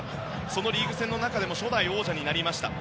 そのリーグ戦でも初代王者になりました。